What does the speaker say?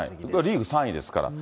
リーグ３位ですから。